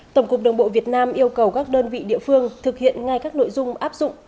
tổng cục đường bộ việt nam yêu cầu các đơn vị địa phương thực hiện ngay các nội dung áp dụng